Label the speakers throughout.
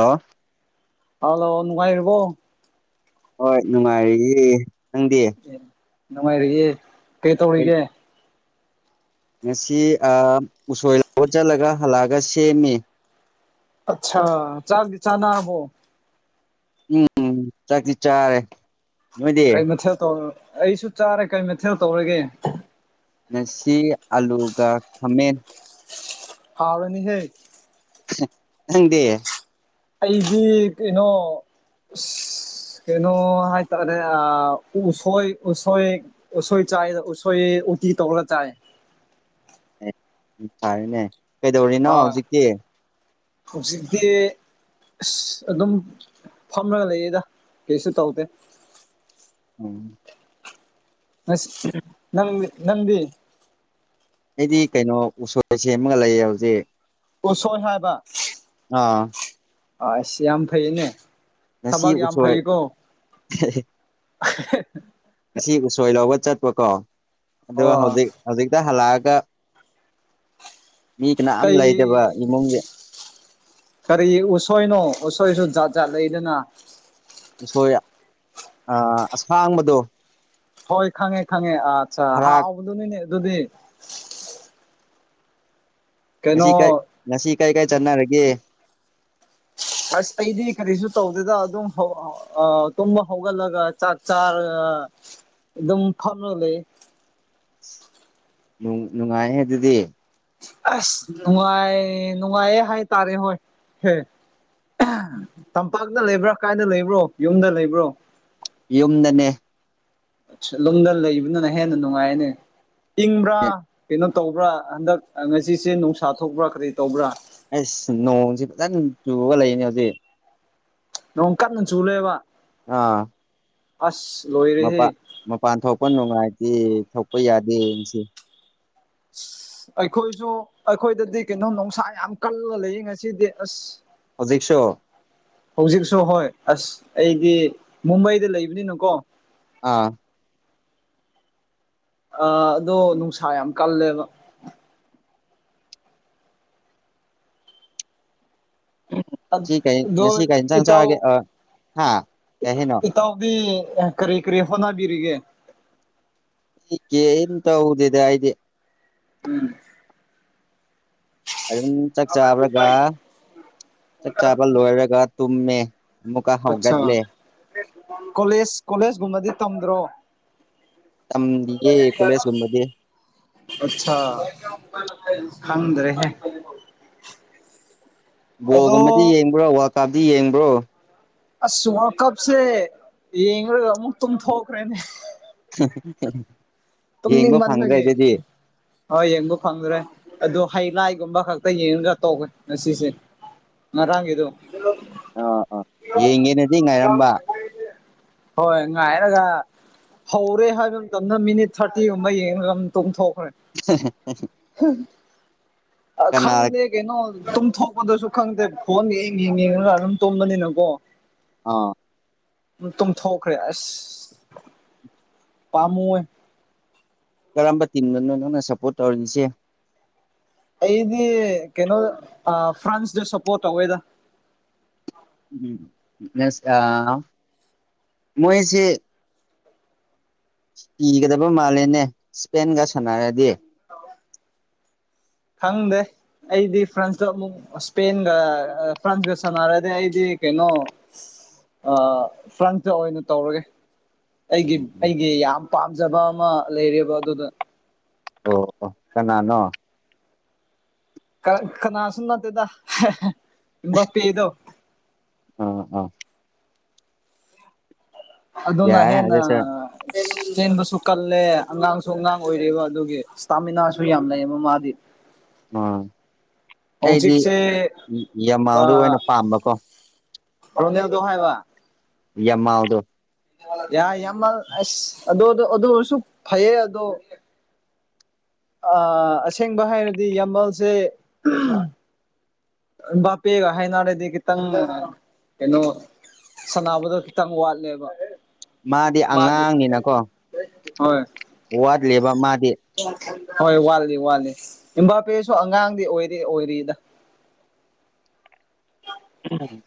Speaker 1: ꯍꯜꯂꫭ
Speaker 2: ꯍꯜꯂꯣ ꯅꯨꯡꯉꯥꯏꯔꯤꯕꯣ
Speaker 1: ꯍꯣꯏ ꯅꯨꯡꯉꯥꯏꯔꯤꯌꯦ ꯅꯪꯗꯤ
Speaker 2: ꯑꯦ ꯅꯨꯡꯉꯥꯏꯔꯌꯦ ꯀꯩ ꯇꯧꯔꯤꯒꯦ
Speaker 1: ꯉꯁꯤ‌‌ꯑꯥ ꯎꯁꯣꯏ ꯂꯧꯕ ꯆꯠꯂꯒ ꯍꯜꯂꯛꯑꯒ ꯁꯦꯝꯃꯤ
Speaker 2: ꯑꯁꯥ ꯆꯥꯛꯇꯤ ꯆꯥꯅꯔꯕꯣ
Speaker 1: ꯎꯝ ꯆꯥꯛꯇꯤ ꯆꯥꯔꯦ꯫ ꯅꯣꯏꯗꯤ
Speaker 2: ꯀꯩ ꯃꯊꯦꯜ ꯇꯧꯔ, ꯑꯩꯁꯨ ꯆꯥꯔꯦ꯫ ꯀꯩ ꯃꯊꯦꯜ ꯇꯧꯔꯒꯦ?
Speaker 1: ꯉꯁꯤ ꯑꯂꯨꯒ ꯈꯥꯃꯦꯟ꯫
Speaker 2: ꯐꯥꯎꯔꯅꯤ ꯍꯦ꯫
Speaker 1: ꯅꯪꯗꯤ?
Speaker 2: ꯑꯩꯗꯤ ꯀꯩꯅꯣ, ꯀꯩꯅꯣ ꯍꯥꯏꯇꯥꯔꯦ ꯑ ꯎꯁꯣꯏ ꯎꯁꯣꯏ, ꯎꯁꯣꯏ ꯆꯥꯏꯗ ꯎꯁꯣꯏ ꯎꯇꯤ ꯇꯧꯔꯒ ꯆꯥꯏ꯫
Speaker 1: ꯐꯔꯤꯅꯦ, ꯀꯩꯗꯧꯔꯤꯅꯣ
Speaker 2: ꯍꯣꯏ
Speaker 1: ꯍꯧꯖꯤꯛꯇꯤ?
Speaker 2: ꯍꯧꯖꯤꯛꯇꯤ ꯑꯁ ꯑꯗꯨꯝ, ꯐꯝꯂꯒ ꯂꯩꯌꯦꯗ ꯀꯩꯁꯨ ꯇꯧꯗꯦ
Speaker 1: ꯎꯝ
Speaker 2: [unintelligible]
Speaker 1: ꯑꯩꯗꯤ ꯀꯩꯅꯣ ꯎꯁꯣꯏ ꯁꯦꯝꯃꯒ ꯂꯩꯌꯦ ꯍꯧꯖꯤꯛ
Speaker 2: ꯎꯁꯣꯏ ꯍꯥꯏꯕ
Speaker 1: ꯑꯥ
Speaker 2: ꯑꯥꯏꯁ‌ ꯌꯥꯝ ꯐꯩꯌꯦꯅꯦ
Speaker 1: ꯉꯁꯤ
Speaker 2: ꯊꯕꯛ ꯌꯥꯝ
Speaker 1: ꯎꯁꯣꯏ
Speaker 2: ꯐꯩꯀꯣ
Speaker 1: ꯉꯁꯤ ꯎꯁꯣꯏ ꯂꯧꯕ ꯆꯠꯄꯀꯣ ꯑꯗꯨꯒ
Speaker 2: ꯑꯣ
Speaker 1: ꯍꯧꯖꯤꯛ ꯍꯧꯖꯤꯛꯇ ꯍꯜꯂꯛꯑꯒ ꯃꯤ ꯀꯅꯥꯝ ꯂꯩꯗꯕ
Speaker 2: ꯀꯩ
Speaker 1: ꯏꯃꯨꯡꯒꯤ
Speaker 2: ꯀꯔꯤ ꯎꯁꯣꯏꯅꯣ ꯎꯁꯣꯏꯁꯨ ꯖꯥꯠ ꯖꯥꯠ ꯂꯩꯗꯅ꯫
Speaker 1: ꯎꯁꯣꯏꯔ ꯑꯁꯥꯡꯕꯗꯣ꯫
Speaker 2: ꯍꯣꯏ ꯈꯪꯉꯦ ꯈꯪꯉꯦ ꯑꯠꯆꯥ
Speaker 1: ꯈꯔ
Speaker 2: ꯍꯥꯎꯕꯗꯨ ꯅꯦꯅꯦ ꯑꯗꯨꯗꯤ꯫
Speaker 1: ꯉꯁꯤ ꯀ
Speaker 2: ꯀꯩꯅꯣ
Speaker 1: ꯉꯁꯤ ꯀꯥꯏ ꯀꯥꯏ ꯆꯠꯅꯔꯒꯦ꯫
Speaker 2: ꯑꯁ ꯑꯩꯗꯤ ꯀꯔꯤꯁꯨ ꯇꯧꯗꯦꯗ ꯑꯗꯨꯝ ꯇꯨꯝꯕ ꯍꯧꯒꯠꯂꯒ ꯆꯥꯛ ꯆꯥꯔ ꯑꯗꯨꯝ ꯐꯝꯔꯒ ꯂꯩꯌꯦ꯫
Speaker 1: ꯅꯨꯡꯉꯥꯏꯌꯦ ꯑꯗꯨꯗꯤ꯫
Speaker 2: ꯑꯁ ꯅꯨꯡꯉꯥꯏ ꯅꯨꯡꯉꯥꯏꯌꯦ ꯍꯥꯏꯇꯥꯔꯦ ꯍꯣꯏ ꯫ ꯇꯝꯄꯥꯛꯇ ꯂꯩꯕ꯭ꯔꯥ, ꯀꯥꯏꯗ ꯂꯩꯕ꯭ꯔꯣ, ꯌꯨꯝꯗ ꯂꯩꯕ꯭ꯔꯣ?
Speaker 1: ꯌꯨꯝꯗꯅꯦ꯫
Speaker 2: ꯅꯨꯡꯗ ꯂꯩꯕꯅꯅ ꯍꯦꯟꯅ ꯅꯨꯡꯉꯥꯏꯅꯦ ꯏꯪꯕ꯭ꯔꯥ ꯀꯩꯅꯣ ꯇꯧꯕ꯭ꯔꯥ ꯍꯟꯗꯛ ꯉꯁꯤꯁꯦ ꯅꯨꯡꯁꯥ ꯊꯣꯛꯄ꯭ꯔꯥ ꯀꯔꯤ ꯇꯧꯕ꯭ꯔꯥ
Speaker 1: ꯑꯁ ꯅꯣꯡꯁꯤ ꯐꯖꯅ ꯆꯨꯔ ꯂꯩꯅꯦ ꯍꯧꯖꯤꯛ
Speaker 2: ꯅꯣꯡ ꯀꯟꯅ ꯆꯨꯔ‌ꯦꯕ
Speaker 1: ꯑꯥ
Speaker 2: ꯑꯁ ꯂꯣꯏꯔꯦꯍꯦ
Speaker 1: ꯃꯄꯥꯟ ꯃꯄꯥꯟ ꯊꯣꯛꯄ ꯅꯨꯡꯉꯥꯏꯇꯦ ꯊꯣꯛꯄ ꯌꯥꯗꯦꯁꯤ
Speaker 2: ꯑꯩꯈꯣꯏꯁꯨ ꯑꯩꯈꯣꯏꯗꯗꯤ ꯀꯩꯅꯣꯝ ꯅꯨꯡꯁꯥ ꯌꯥꯝ ꯀꯜꯂꯒ ꯂꯩꯌꯦ ꯉꯁꯤꯗꯤ ꯑꯁ
Speaker 1: ꯍꯧꯖꯤꯛꯁꯣ
Speaker 2: ꯍꯧꯖꯤꯛꯁꯨ ꯍꯣꯏ ꯑꯁ ꯑꯩꯗꯤ ꯃꯨꯝꯕꯩꯗ ꯂꯩꯕꯅꯤꯅꯀꯣ
Speaker 1: ꯑꯥ
Speaker 2: ꯑꯥ ꯑꯗꯣ ꯅꯨꯡꯁꯥ ꯌꯥꯝ ꯀꯜꯂꯦꯕ ꯑꯠ
Speaker 1: ꯉꯁꯤ ꯀꯩ
Speaker 2: ꯗꯣ
Speaker 1: ꯉꯁꯤ ꯀꯩ ꯏꯟꯁꯥꯡ
Speaker 2: ꯏꯇꯥꯎ
Speaker 1: ꯆꯥꯔꯒꯦ ꯑꯥ ꯍꯥ ꯀꯩ ꯍꯥꯏꯅꯣ
Speaker 2: ꯏꯠ ꯇꯥꯎꯕꯤ ꯀꯔꯤ ꯀꯔꯤ ꯍꯣꯠꯅꯕꯤꯔꯤꯒꯦ
Speaker 1: ꯑꯩ ꯀ‌ꯦ ꯝ ꯇꯧꯗ‌ꯦꯗ ꯑꯩꯗꯤ
Speaker 2: ꯎꯝ
Speaker 1: ꯑꯗꯨꯝ ꯆꯥꯛ ꯆꯥꯕꯔꯒ ꯆꯥꯛ ꯆꯥꯕ ꯂꯣꯏꯔꯒ ꯇꯨꯝꯃꯦ ꯑꯃꯨꯛꯀ
Speaker 2: ꯑꯠꯆꯥ
Speaker 1: ꯍꯧꯒꯠꯂꯦ
Speaker 2: ꯀꯣꯂꯦꯖ ꯀꯣꯂꯦꯖꯀꯨꯝꯕꯗꯤ ꯇꯝꯗ꯭ꯔꯣ
Speaker 1: ꯇꯝꯗ‌ꯦ ꯌꯦ ꯀꯂꯦꯁꯀꯨꯝꯕꯗꯤ
Speaker 2: ꯑꯠꯁꯥ ꯈꯪꯗ꯭ꯔ‌ꯦꯍ‌ꯦ
Speaker 1: ꯕꯣꯜꯒꯨꯝꯕꯗꯤ
Speaker 2: ꯑꯗꯣ
Speaker 1: ꯌꯦꯡꯕ꯭ꯔꯣ ꯋꯥꯔꯜ ꯀꯞꯇꯤ ꯌꯦꯡꯕ꯭ꯔꯣ
Speaker 2: ꯑꯁ ꯋꯥꯔ ꯀꯞꯁꯦ ꯌꯦꯡꯒ ꯑꯃꯨꯛ ꯇꯨꯝ ꯊꯣꯛꯈ꯭ꯔꯦꯅꯦ
Speaker 1: ꯌꯦꯡꯕ ꯐꯪꯗ꯭ꯔꯦ
Speaker 2: ꯇꯨꯝꯅꯤꯡꯃꯟꯕꯒꯤ
Speaker 1: ꯑꯗꯨꯗꯤ
Speaker 2: ꯍꯣꯏ ꯌꯦꯡꯕ ꯐꯪꯗ꯭ꯔꯦ ꯑꯗꯨ ꯍꯥꯏꯂꯥꯏꯒꯨꯝꯕ ꯈꯛꯇ ꯌꯦꯡꯉꯒ ꯇꯣꯛꯑꯦ ꯉꯁꯤꯁꯦ ꯉꯔꯥꯡꯒꯤꯗꯣ
Speaker 1: ꯑꯥ ꯑꯥ ꯌꯦꯡꯒꯦꯅꯗꯤ ꯉꯥꯏꯔꯝꯕ
Speaker 2: ꯍꯣꯏ ꯉꯥꯏꯔꯒ ꯍꯧꯔꯦ ꯍꯥꯏꯕ ꯃꯇꯝꯗ ꯃꯤꯅꯤꯠ ꯊꯥꯔꯇꯤꯒꯨꯝꯕ ꯌꯦꯡꯉ ꯑꯗꯨꯝ ꯇꯨꯝꯊꯣꯛꯈ꯭ꯔꯦ
Speaker 1: [unintelligible]
Speaker 2: ꯑ
Speaker 1: ꯀꯅꯥ
Speaker 2: ꯈꯪꯗ ꯀꯩꯅꯣ ꯇꯨꯝꯊꯣꯛꯄꯗꯁꯨ ꯈꯪꯗꯦ ꯐꯣꯟꯒ ꯍꯡ ꯌꯦꯡꯉꯡꯉꯒ ꯑꯗꯨꯝ ꯇꯨꯝꯕꯅꯤꯅꯀꯣ
Speaker 1: ꯑꯥ
Speaker 2: ꯇꯨꯝꯊꯣꯛꯈ꯭ꯔꯦ ꯑꯁ ꯄꯥꯝꯃꯨꯏꯌ‌ꯦ
Speaker 1: ꯀꯔꯝꯕ ꯇꯤꯝꯅꯣꯅꯣ ꯅꯪꯅ ꯁꯞꯄꯣꯔꯠ ꯇꯧꯔꯤꯁꯦ
Speaker 2: ꯑꯩꯗꯤ ꯀꯩꯅꯣ ꯐ꯭ꯔꯥꯟꯁꯇ ꯁꯞꯄꯣꯔꯠ ꯇꯧꯋꯦꯗ
Speaker 1: ꯎꯝ [unintelligible] ꯃꯣꯏꯁꯦ ꯀꯤꯒꯗꯕ ꯃꯥꯜꯂꯦꯅꯦ ꯏꯁꯄꯦꯟꯒ ꯁꯥꯟꯅꯔꯗꯤ
Speaker 2: ꯈꯪꯗꯦ ꯑꯩꯗꯤ ꯐ꯭ꯔꯥꯟꯁꯇꯣ ꯑꯃꯨꯛ ꯏꯁꯄꯦꯟꯒ ꯐ꯭ꯔꯥꯟꯁꯒ ꯁꯥꯟꯅꯔꯗꯤ ꯑꯩꯗꯤ ꯀꯩꯅꯣ ꯑ ꯐ꯭ꯟꯇꯥ ꯑꯣꯏꯅ ꯇꯧꯔꯒꯦ ꯑꯩꯒꯤ
Speaker 1: ꯎꯝ ꯎꯝ
Speaker 2: ꯑꯩꯒꯤ ꯌꯥꯝ ꯄꯥꯝꯖꯕ ꯑꯃ ꯂꯩꯔꯦꯕ ꯑꯗꯨꯗ
Speaker 1: ꯑꯣ ꯑꯣ ꯀꯅꯥꯅꯣ
Speaker 2: ꯀ ꯀꯅꯥꯁ ꯅꯠꯇꯦꯗ ꯑꯦꯝꯕꯥꯄꯦꯗꯣ
Speaker 1: ꯑꯥ ꯍ
Speaker 2: ꯑꯗꯨꯅ
Speaker 1: ꯌꯥꯏ
Speaker 2: ꯍꯦꯟꯅ
Speaker 1: ꯑꯗꯨꯁꯨ
Speaker 2: ꯆꯦꯟꯕꯁꯨ ꯀꯜꯂꯦ ꯑꯉꯥꯡꯁꯨ ꯑꯉꯥꯡ ꯑꯣꯏꯔꯤꯕ ꯑꯗꯨꯒꯤ ꯏꯁꯇꯥꯃꯤꯅꯥꯁꯨ ꯌꯥꯝ ꯂꯩꯌꯦꯕ ꯃꯥꯗꯤ
Speaker 1: ꯑꯥ ꯑꯩꯗꯤ
Speaker 2: ꯍꯧꯖꯤꯛꯁꯦ
Speaker 1: ꯌꯥꯝꯃꯥꯜꯗꯣ ꯑꯣꯏꯅ ꯄꯥꯝꯕꯀꯣ
Speaker 2: ꯑ ꯑꯅꯤꯌꯥꯗꯣ ꯈꯥꯏꯕ
Speaker 1: ꯌꯃꯥꯜꯗꯣ
Speaker 2: ꯌꯥꯏ ꯌꯥꯝꯃ ꯑꯁ ꯑꯗꯨ ꯑꯗꯨꯔꯁꯨ ꯐꯩꯌꯦ ꯑꯗꯣ ꯑꯁꯦꯡꯕ ꯍꯥꯏꯔꯗꯤ ꯌꯥꯝꯃꯜꯁꯦ ꯕꯥꯄꯦꯒ ꯍꯅꯅꯥꯗꯤ ꯀ ꯇꯪ ꯀꯩꯅꯣ ꯁꯥꯟꯅꯕꯗꯣ ꯈꯤꯇꯪ ꯋꯥꯠꯂꯦꯕ ꯃꯥꯗꯤ ꯍꯣꯏ
Speaker 1: ꯋꯥ ꯋꯥꯗ ꯂꯩꯦꯕ ꯃꯥꯗꯤ
Speaker 2: ꯍꯣꯏ ꯋꯥꯠꯂꯤ ꯋꯥꯠꯂꯤ ꯏꯕꯥꯄꯦꯁꯨ ꯑꯉꯥꯡꯗꯤ ꯑꯣꯏꯔꯤ ꯑꯣꯏꯔꯤꯗ
Speaker 1: ꯀ ꯍꯥꯏ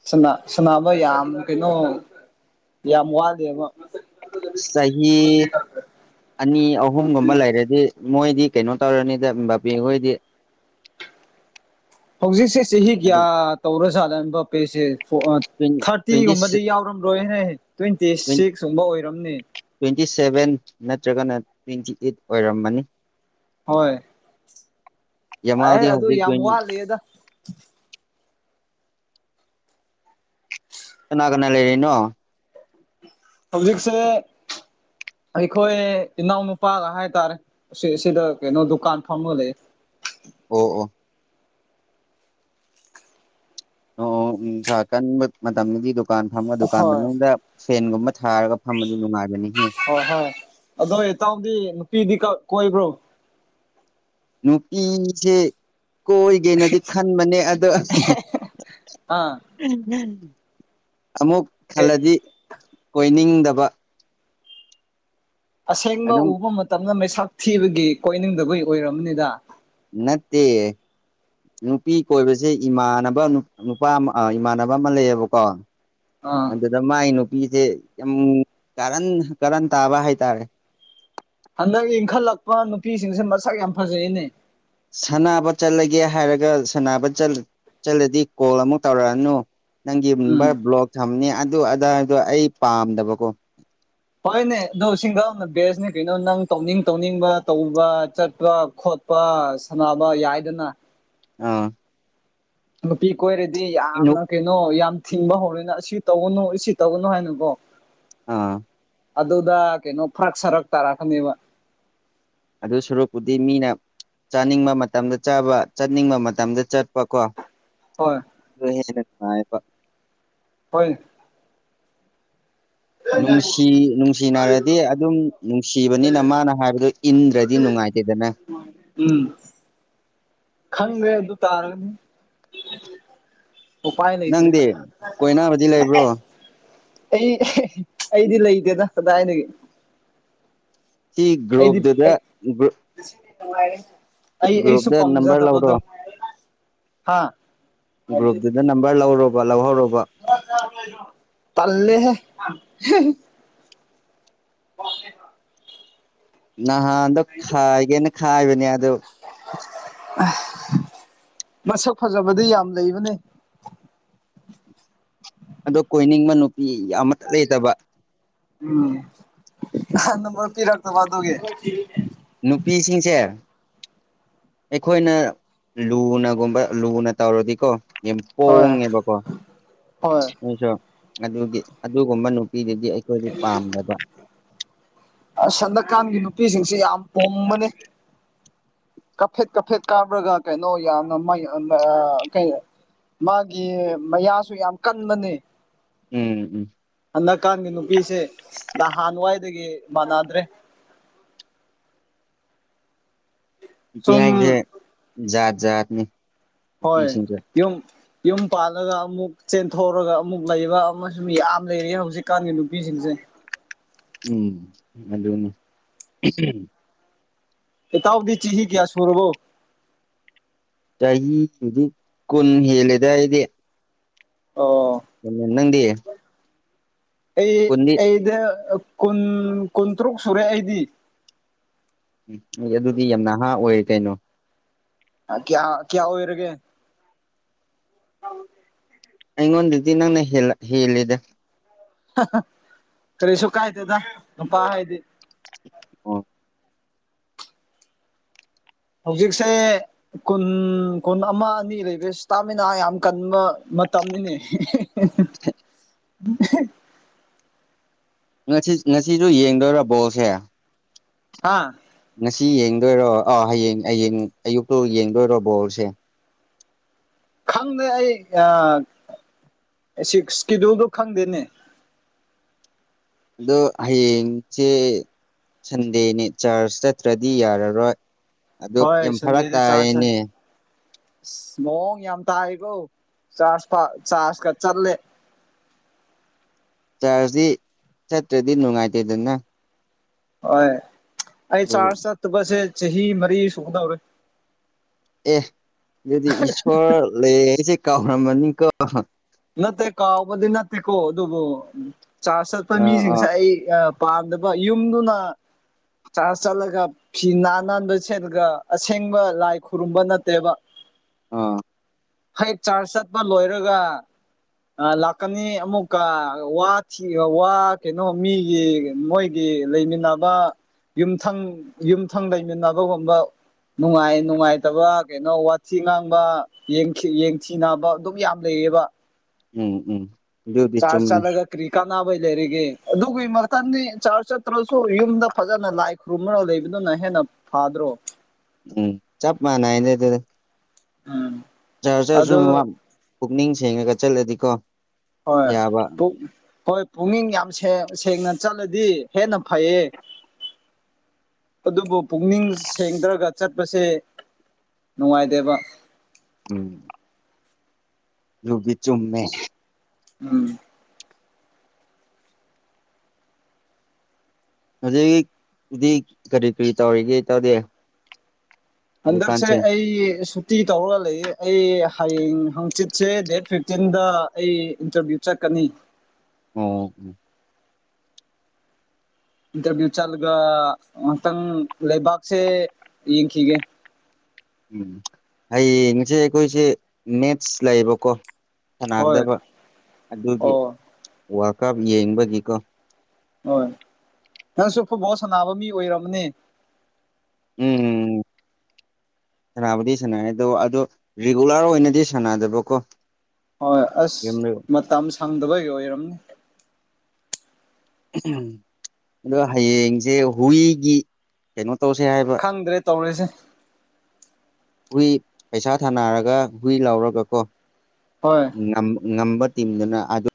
Speaker 2: ꯁꯅꯥꯃ ꯌꯥꯝ ꯀꯩꯅꯣ ꯌꯥꯝ ꯋꯥꯠꯂꯦꯕ
Speaker 1: ꯆꯍꯤ ꯑꯅꯤ ꯑꯍꯨꯝꯒꯨꯝꯕ ꯂꯩꯔꯗꯤ ꯃꯣꯏꯗꯤ ꯀꯩꯅꯣ ꯇꯧꯔꯅꯤꯗ ꯕꯥꯕꯤꯈꯣꯏꯗꯤ
Speaker 2: ꯍꯧꯖꯤꯛꯁꯦ ꯆꯍꯤ ꯀꯌꯥ
Speaker 1: ꯑꯗꯨꯝ
Speaker 2: ꯇꯧꯔꯖꯥꯠꯂꯕ ꯄꯦꯁꯦ
Speaker 1: ꯇ꯭ꯋꯦꯟꯇꯤ
Speaker 2: ꯊꯥꯔꯇꯤꯒꯨꯝꯕꯗꯤ ꯌꯥꯎꯔꯝꯔꯣꯏꯅꯦ ꯇ꯭ꯋꯦꯟꯇꯤ ꯁꯤꯛꯁꯀꯨꯝꯕ ꯑꯣꯏꯔꯝꯅꯤ
Speaker 1: ꯇ꯭ꯋꯦꯟꯇꯤ ꯁꯕꯦꯟ ꯅꯠꯇ꯭ꯔꯒꯅ ꯇ꯭ꯋꯦꯟꯇꯤ ꯑꯩꯠ ꯑꯣꯏꯔꯝꯃꯅꯤ
Speaker 2: ꯍꯣꯏ ꯑꯦ
Speaker 1: ꯌꯥꯃꯥꯜꯗꯤ
Speaker 2: ꯑꯗꯨ
Speaker 1: ꯍꯧꯖꯤꯛ
Speaker 2: ꯌꯥꯝ
Speaker 1: ꯇ꯭ꯋꯦꯟꯇꯤ
Speaker 2: ꯋꯥꯠꯂꯦꯗ
Speaker 1: ꯀꯅꯥ ꯀꯅꯥ ꯂꯩꯔꯤꯅꯣ
Speaker 2: ꯁꯖꯤꯛꯁꯦ ꯑꯩꯈꯣꯏ ꯏꯅꯥꯎꯅꯨꯄꯥꯒ ꯍꯥꯏꯇꯥꯔꯦ ꯁꯤ ꯁꯤꯗ ꯀꯩꯅꯣ ꯗꯨꯀꯥꯟ ꯐꯝꯃ ꯂꯩ
Speaker 1: ꯑꯣ ꯑꯣ ꯑꯣ ꯎ ꯁꯥ ꯀꯟꯕ ꯃꯇꯝꯗꯨꯗꯤ ꯗꯨꯀꯥꯟ ꯐꯝꯃꯣ ꯗꯨꯀꯥꯟ
Speaker 2: ꯍꯣꯏ
Speaker 1: ꯃꯅꯨꯡꯗ ꯐꯦꯟꯒꯨꯝꯕ ꯊꯥꯔꯒ ꯐꯝꯕꯗꯤ ꯅꯨꯡꯉꯥꯏꯖꯅꯤꯍꯦ
Speaker 2: ꯍꯣꯏ ꯍꯣꯏ ꯑꯗꯣ ꯏꯇꯥꯎꯗꯤ ꯅꯨꯄꯤꯗꯤ ꯀꯣꯏꯕ꯭ꯔꯣ
Speaker 1: ꯅꯨꯄꯤꯁꯦ ꯀꯣꯏꯒꯦꯅꯗꯤ ꯈꯟꯕꯅꯦ ꯑꯣ
Speaker 2: ꯑꯥ
Speaker 1: ꯑꯃꯨꯛ
Speaker 2: ꯀꯩ
Speaker 1: ꯈꯜꯂꯗꯤ ꯑꯣꯏꯣꯏꯅꯤꯡꯗꯕ
Speaker 2: ꯑꯁꯦꯡꯕ
Speaker 1: ꯑꯗꯨꯝ
Speaker 2: ꯎꯕ ꯃꯇꯝꯗ ꯃꯩꯁꯥꯛ ꯊꯤꯕꯒꯤ ꯀꯣꯏꯅꯤꯡꯗꯕꯒꯤ ꯑꯣꯏꯔꯝꯕꯅꯤꯗ
Speaker 1: ꯅꯠꯇꯦ ꯅꯨꯄꯤ ꯀꯣꯏꯕꯁꯦ ꯏꯃꯥꯟꯅꯕ ꯅꯨꯄꯥ ꯑꯃ ꯏꯃꯥꯟꯅꯕ ꯑꯃ ꯂꯩꯌꯦꯕꯀꯣ
Speaker 2: ꯑꯥ
Speaker 1: ꯑꯗꯨꯗ ꯃꯥꯏ ꯅꯨꯄꯤꯁꯦ ꯌꯥꯝ ꯀꯥꯔꯟ ꯀꯥꯔꯟ ꯇꯥꯕ ꯍꯥꯏꯇꯥꯔꯦ
Speaker 2: ꯍꯟꯗꯛ ꯏꯟꯈꯠꯂꯛꯄ ꯅꯨꯄꯤꯁꯤꯡꯁꯦ ꯃꯁꯛ ꯌꯥꯝ ꯐꯖꯩꯅꯦ
Speaker 1: ꯁꯥꯟꯅꯕ ꯆꯠꯂꯒꯦ ꯍꯥꯏꯔꯒ ꯁꯅꯕ ꯆꯠꯂꯗꯤ ꯀꯣꯜ ꯑꯃꯨꯛ ꯇꯧꯔꯛꯑꯅꯨ ꯅꯪꯒꯤ
Speaker 2: ꯎꯝ
Speaker 1: ꯅꯝꯕꯔ ꯕ꯭ꯂꯣꯛ ꯊꯝꯅꯤ ꯑꯗꯨ ꯑꯗꯥꯗꯣ ꯑꯩ ꯄꯥꯝꯗꯕꯀꯣ
Speaker 2: ꯍꯣꯏꯅꯦ ꯑꯗꯣ ꯁꯤꯡꯗꯥꯎꯅ ꯕꯦꯁꯅꯦ ꯀꯩꯅꯣ ꯅꯪ ꯇꯧꯅꯤꯡ ꯇꯧꯅꯤꯡꯕ ꯇꯧꯕ ꯆꯠꯄ ꯈꯣꯠꯄ ꯄ ꯁꯥꯟꯅꯕ ꯌꯥꯏꯗꯅ
Speaker 1: ꯑꯥ
Speaker 2: ꯅꯨꯄꯤ ꯀꯣꯏꯔꯗꯤ ꯌꯥꯝꯅ ꯀꯩꯅꯣ ꯌꯥꯝ ꯊꯤꯡꯕ ꯍꯧꯔꯣꯏꯅ ꯑꯁꯤ ꯇꯧꯒꯅꯨ ꯑꯁꯤ ꯇꯧꯒꯅꯨ ꯍꯥꯏꯅꯀꯣ
Speaker 1: ꯑꯥ
Speaker 2: ꯑꯗꯨꯗ ꯀꯩꯅꯣ ꯐ꯭ꯔꯛ ꯁꯔꯛ ꯇꯥꯔꯛꯀꯅꯦꯕ
Speaker 1: ꯑꯗꯨ ꯁꯣꯔꯨꯄꯨꯗꯤ ꯃꯤꯅ ꯆꯥꯅꯤꯡꯕ ꯃꯇꯝꯗ ꯆꯥꯕ ꯆꯠꯅꯤꯡꯕ ꯃꯇꯝꯗ ꯆꯠꯄ ꯀꯣ
Speaker 2: ꯍꯣꯏ
Speaker 1: [inaudible]
Speaker 2: ꯍꯣꯏ
Speaker 1: ꯅꯨꯡꯁꯤ ꯅꯨꯡꯁꯤꯅꯔꯗꯤ ꯑꯗꯨꯝ ꯅꯨꯡꯁꯤꯕꯅꯤꯅ ꯃꯥꯅ ꯍꯥꯏꯕꯗꯨꯣ ꯏꯟꯗ꯭ꯔꯗꯤ ꯅꯨꯡꯉꯥꯏꯇꯦꯗꯅ
Speaker 2: ꯎꯝ ꯈꯪꯈ꯭ꯔꯦ ꯑꯗꯨ ꯇꯥꯔꯒꯅꯤ ꯎꯄꯥꯥꯏ ꯅꯇ꯭ꯔꯦ
Speaker 1: ꯅꯪꯗꯤ ꯀꯣꯏꯅꯕꯗꯤ ꯂꯩꯕ꯭ꯔꯣ
Speaker 2: ꯑꯩ ꯑꯩꯗꯤ ꯂꯩꯇꯦꯗ ꯀꯗꯥꯏꯅꯗꯒꯤ
Speaker 1: ꯁꯤ ꯒ꯭ꯔꯨꯞꯇꯨꯗꯒ꯭ꯔꯨꯞ
Speaker 2: ꯅꯨꯡ ꯑꯩ ꯑꯩꯁꯨ
Speaker 1: ꯅꯝꯕꯔ ꯂꯧꯔꯣ
Speaker 2: ꯄꯥꯝꯖꯗꯕꯗꯨꯣ ꯍꯥ
Speaker 1: ꯒ꯭ꯔꯨꯞꯇꯨꯗ ꯅꯝꯕꯔ ꯂꯧꯔꯨꯔꯕ ꯂꯧꯍꯧꯔꯕꯕ
Speaker 2: ꯇꯜꯂꯦꯍꯦ ꯍ
Speaker 1: ꯅꯍꯥꯟꯗꯣ ꯈꯥꯏꯒꯦꯅ ꯈꯥꯏꯕꯅꯦ ꯑꯗꯣ
Speaker 2: ꯃꯁꯛ ꯐꯖꯕꯗꯤ ꯌꯥꯝ ꯂꯩꯕꯅꯦ
Speaker 1: ꯑꯗꯣ ꯀꯣꯏꯅꯤꯡꯕ ꯅꯨꯄꯤ ꯌꯥꯝ ꯃꯊꯛ ꯂꯩꯇꯕ
Speaker 2: ꯎꯝ ꯅꯝꯕꯔ ꯄꯤꯔꯛꯇꯕ ꯑꯗꯨꯒꯤꯦ
Speaker 1: ꯅꯨꯄꯤꯁꯤꯡꯁꯦ ꯑꯩꯈꯣꯏꯅ ꯂꯨꯅꯒꯨꯝꯕ ꯂꯨꯅ ꯇꯧꯔꯗꯤꯀꯣ
Speaker 2: ꯍꯣꯏ
Speaker 1: ꯄꯣꯡꯉꯦꯕꯀꯣ
Speaker 2: ꯍꯣꯏ
Speaker 1: ꯅꯣꯏꯁꯨ ꯑꯗꯨꯒꯤ ꯑꯗꯨꯒꯨꯝꯕ ꯅꯨꯄꯤꯗꯨꯗꯤ ꯑꯩꯈꯣꯏꯗꯤ ꯄꯥꯝꯗꯕ
Speaker 2: ꯁꯟꯗꯀꯥꯟꯒꯤ ꯅꯨꯄꯤꯁꯤꯡꯁ ꯌꯥꯝ ꯄꯣꯝꯕꯅꯤ ꯀꯐꯦꯠ ꯀꯐꯦꯠ ꯀꯥꯞꯔꯒ ꯀꯩꯅꯣ ꯌꯥꯝꯅ ꯃꯥꯒꯤ ꯃꯌꯥꯁꯨ ꯌꯥꯝ ꯀꯟꯕꯅꯦ
Speaker 1: ꯎꯝ ꯎꯝ
Speaker 2: ꯍꯟꯗꯛꯀꯥꯟꯒꯤ ꯅꯨꯄꯤꯁꯦ ꯅꯍꯥꯟꯋꯥꯏꯗꯒꯤ ꯃꯥꯟꯅꯗ꯭ꯔꯦ꯫
Speaker 1: ꯄꯤꯉꯒꯤꯁꯦ
Speaker 2: ꯁꯨꯝ
Speaker 1: ꯥꯠ ꯖꯥꯠꯅꯤ
Speaker 2: ꯍꯣꯏ
Speaker 1: ꯅꯨꯄꯤꯁꯤꯡꯁꯦ
Speaker 2: ꯀꯨꯝ ꯌꯨꯝ ꯄꯥꯜꯂꯒ ꯑꯃꯨꯛ ꯆꯦꯟꯊꯣꯛꯔꯒ ꯑꯃꯨꯛ ꯂꯩꯕ ꯑꯃꯁ ꯌꯥꯝ ꯂꯩꯔꯦ ꯍꯧꯖꯤꯛꯀꯥꯟꯒꯤ ꯅꯨꯄꯤꯁꯤꯡꯁꯦ
Speaker 1: ꯎꯝ ꯑꯗꯅ
Speaker 2: ꯏ ꯇ ꯑꯣꯗꯤ ꯆ ꯏꯍꯤ ꯀꯌꯥ ꯁꯨꯔꯕꯣ
Speaker 1: ꯆꯍꯤꯗꯤ ꯀꯨꯟ ꯍꯦꯜꯂꯦꯗꯏꯗꯤ
Speaker 2: ꯑꯣ
Speaker 1: ꯟꯅꯗꯤꯦ
Speaker 2: ꯑꯩ ꯑꯩꯗ ꯀꯨꯟ ꯀꯨꯟꯇꯔꯨꯛ ꯁꯨꯔꯦ ꯑꯩꯗꯤ
Speaker 1: ꯎꯝ ꯍ ꯑꯗꯨꯗꯤ ꯌꯥꯝ ꯅꯍꯥ ꯑꯣꯏꯌꯦ ꯀꯩꯅꯣ
Speaker 2: ꯀꯌꯥ ꯀꯌꯥ ꯑꯣꯏꯔꯒꯦ [inaudible]
Speaker 1: ꯑꯩꯉꯣꯟꯗꯩꯗꯤ ꯅꯪꯅ ꯍꯦꯜꯂ ꯍꯦꯜꯂꯦꯗ
Speaker 2: ꯀꯔꯤꯁꯨ ꯀꯥꯏꯗꯦꯗ ꯅꯨꯄꯥ ꯍꯥꯏꯗꯤ
Speaker 1: ꯑꯝ
Speaker 2: ꯍꯧꯖꯤꯛꯁꯦ ꯀꯨꯟ ꯀꯨꯟ ꯑꯃ ꯑꯅꯤ ꯂꯩꯕ ꯏꯁꯇꯥꯃꯤꯅꯥ ꯌꯥꯝ ꯀꯟꯕ ꯃꯇꯝꯅꯤꯅꯦ [unintelligible]
Speaker 1: ꯉꯁꯤ ꯉꯁꯤꯁꯨ ꯌꯦꯡꯗꯣꯏꯔꯥ ꯕꯣꯜꯁꯦ
Speaker 2: ꯍꯥ
Speaker 1: ꯉꯁꯤ ꯌꯦꯡꯗꯣꯏꯔꯣ ꯑꯥ ꯍꯌꯦꯡ ꯍꯌꯦꯡ ꯑꯌꯨꯛꯇꯨ ꯌꯦꯡꯗꯣꯏꯔꯣ ꯕꯣꯣꯔꯁꯦ
Speaker 2: ꯈꯪꯗꯦ ꯑꯩ ꯁꯤꯛꯁꯀꯤꯗꯨꯜꯗꯨ ꯈꯪꯗꯦꯅꯦ
Speaker 1: ꯑꯗꯣ ꯍꯌꯦꯡꯁꯦ ꯁꯟꯗꯦꯅꯦ ꯆꯔꯆ ꯆꯠꯇ꯭ꯔꯗꯤ ꯌꯥꯔꯔꯣꯏ ꯑꯗꯨ
Speaker 2: ꯍꯣꯏ
Speaker 1: ꯌꯥꯝ ꯐꯔꯛ
Speaker 2: ꯁꯟꯗꯦꯗꯤ ꯆꯥꯔꯖ ꯆꯠ
Speaker 1: ꯇꯥꯏꯌꯦꯅꯦ
Speaker 2: ꯃꯑꯣꯡ ꯌꯥꯝ ꯇꯥꯏꯕꯣ ꯆꯥꯔꯖ ꯆꯥꯔꯖꯀ ꯆꯠꯂꯦ
Speaker 1: ꯆꯥꯔꯖꯁꯤ ꯆꯠꯇ꯭ꯔꯗꯤ ꯅꯨꯡꯉꯥꯏꯇꯦꯗꯅ
Speaker 2: ꯍꯣꯏ ꯑꯩ ꯆꯥꯔꯖ
Speaker 1: ꯑꯗꯨꯒꯤ
Speaker 2: ꯆꯠꯇꯕꯁꯦ ꯆꯍꯤ ꯃꯔꯤ ꯁꯨꯗꯧꯔꯦ
Speaker 1: ꯑꯦ ꯑꯗꯨꯗꯤ ꯏꯁꯣꯔ ꯂꯩꯌꯦꯁꯦ ꯀꯥꯎꯔꯝꯃꯅꯤꯀꯣ
Speaker 2: ꯅꯠꯇꯦ ꯀꯥꯎꯕꯗꯤ ꯅꯠꯇꯦꯀꯣ ꯑꯗꯨꯕꯨ ꯆꯥꯔꯆ ꯆꯠꯄ
Speaker 1: ꯑꯥ
Speaker 2: ꯃꯤꯁꯤꯡꯁꯦ
Speaker 1: ꯑꯥ
Speaker 2: ꯑꯩ ꯄꯥꯟꯗꯕ ꯌꯨꯝꯗꯨꯅ ꯆꯔ ꯆꯠꯂꯒ ꯐꯤ ꯅꯥꯟ ꯅꯥꯟꯕ ꯁꯦꯠꯂꯒ ꯑꯁꯦꯡꯕ ꯂꯥꯏ ꯈꯨꯔꯨꯝꯕ ꯅꯠꯇꯦꯕ
Speaker 1: ꯑ
Speaker 2: ꯍꯩ ꯆꯥꯔꯖ ꯆꯠꯄ ꯂꯣꯏꯔꯒ ꯑ ꯂꯥꯛꯀꯅꯤ ꯑꯃꯨꯛꯀ ꯋꯥ ꯋꯥ ꯀꯩꯅꯣ ꯃꯤꯒꯤ ꯃꯣꯏ ꯒꯤ ꯂꯩꯃꯤꯟꯅꯕ ꯌꯨꯝꯊꯪ ꯌꯨꯝꯊꯪ ꯂꯩꯃꯤꯟꯅꯕꯒꯨꯝꯕ ꯅꯨꯡꯉꯥꯏ ꯅꯨꯡꯉꯥꯏꯇꯕ ꯀꯩꯅꯣ ꯋꯥꯊꯤ ꯉꯥꯡꯕ ꯌꯦꯡꯊꯤ ꯌꯦꯡꯊꯤ ꯅꯥꯕ ꯑꯗꯨꯝ ꯌꯥꯝ ꯂꯩꯌꯦꯕ
Speaker 1: ꯎꯝꯍꯝ
Speaker 2: ꯆꯥꯔꯖ ꯆꯂꯒ ꯀꯔꯤ ꯀꯥꯟꯅꯕꯩ ꯂꯩꯔꯤꯒꯦ ꯑꯗꯨꯒꯤ ꯃꯊ ꯆꯥ ꯆꯠꯇ꯭ꯔꯁꯨ ꯌꯨꯝꯗ ꯐꯖꯅ ꯂꯥꯏ ꯈꯨꯔꯨꯝꯃ ꯂꯩꯕꯗꯨꯅ ꯍꯦꯟꯅ ꯐꯥꯗ꯭ꯔꯣ
Speaker 1: ꯎꯝ ꯆꯥꯞ ꯃꯥꯟꯅꯥꯏꯗ ꯑꯗꯨꯗꯦ
Speaker 2: ꯑꯝ
Speaker 1: ꯆꯥꯔꯖꯔꯁꯨ ꯄꯨꯛꯅꯤꯡ ꯁꯦꯡꯉꯒ ꯆꯠꯂꯗꯤꯀꯣ
Speaker 2: ꯍꯣꯏ
Speaker 1: ꯌꯥꯕ
Speaker 2: ꯇ ꯍꯣꯏ ꯄꯨꯛꯅꯤꯡ ꯌꯥꯝ ꯁꯦꯡ ꯁꯦꯡꯅ ꯆꯠꯂꯗꯤ ꯍꯦꯟꯅ ꯐꯩꯌꯦ ꯑꯗꯨꯕꯨ ꯄꯨꯛꯅꯤꯡ ꯁꯦꯡꯗ꯭ꯔꯒ ꯆꯠꯄꯁꯦ ꯅꯨꯡꯉꯥꯏꯗꯦꯕ
Speaker 1: ꯎꯝ꯫ ꯌꯨꯕꯤ ꯆꯨꯝꯃꯦ
Speaker 2: ꯎꯝ
Speaker 1: ꯑꯗꯨꯗꯒꯤꯗꯤ ꯀꯔꯤ ꯀꯔꯤ ꯇꯧꯔꯤꯒꯦ ꯇꯧꯗꯦ
Speaker 2: ꯍꯟꯗꯛꯁꯦ
Speaker 1: ꯍꯧꯖꯤꯛꯀꯥꯟꯁꯦ
Speaker 2: ꯑꯩ ꯐꯤꯇꯤ ꯇꯧꯔꯒ ꯂꯩ ꯑꯩ ꯍꯌꯦꯡ ꯍꯪꯆꯤꯠꯁꯦ ꯗꯦꯠ ꯐꯤꯐꯇꯤꯟꯗ ꯑꯩ ꯏꯟꯇꯔꯚꯤꯌꯨ ꯆꯠꯀꯅꯤ
Speaker 1: ꯑꯣ
Speaker 2: ꯏꯟꯇꯔꯚꯤꯌꯨ ꯆꯠꯂꯒ ꯉꯍꯥꯛꯇꯪ ꯂꯩꯕꯥꯛꯁꯦ ꯌꯦꯡꯈꯤꯒꯦ
Speaker 1: ꯎꯝ ꯍꯌꯦꯡꯁꯦ ꯑꯩꯈꯣꯏꯁꯦ ꯃꯦꯠꯁ ꯂꯩꯌꯦꯕꯀꯣ
Speaker 2: ꯍꯣꯏ
Speaker 1: ꯁꯅꯥꯒꯗꯕ ꯑꯗꯨꯒꯤ
Speaker 2: ꯑꯣ
Speaker 1: ꯋꯥꯀꯞ ꯌꯦꯡꯕꯒꯤꯀꯣ
Speaker 2: ꯍꯣꯏ ꯅꯪꯁꯨ ꯐꯨꯠꯕꯣꯜ ꯁꯥꯟꯅꯕ ꯃꯤ ꯑꯣꯏꯔꯕꯅꯦ
Speaker 1: ꯎꯝꯝ ꯁꯥꯟꯕꯨꯗꯤ ꯁꯥꯟꯅꯔꯦ ꯗꯣ ꯑꯗꯣ ꯔꯤꯒꯨꯂꯔ ꯑꯣꯏꯅꯗꯤ ꯁꯥꯟꯅꯗꯕꯀꯣ
Speaker 2: ꯍꯣꯏ ꯑꯁ
Speaker 1: ꯒꯦꯝꯗꯣ
Speaker 2: ꯃꯇꯝ ꯁꯪꯗꯕꯒꯤ ꯑꯣꯏꯔꯝꯅꯤ
Speaker 1: ꯑꯗꯣ ꯍꯌꯦꯡꯁꯦ ꯍꯨꯏꯒꯤ ꯀꯩꯅꯣ ꯇꯧꯁꯦ ꯍꯥꯏꯕ
Speaker 2: ꯈꯪꯗ꯭ꯔꯦ ꯇꯧꯔꯤꯁꯦ
Speaker 1: ꯍꯨꯏ ꯄꯩꯁꯥ ꯊꯥꯅꯔꯒ ꯍꯨꯏ ꯂꯧꯔꯒ ꯀꯣ꯫
Speaker 2: ꯍꯣꯏ
Speaker 1: ꯉꯝ ꯉꯝꯕ ꯇꯤꯝꯗꯨꯅ ꯑꯗꯨ